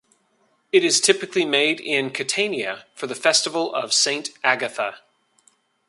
It is typically made in Catania for the festival of Saint Agatha.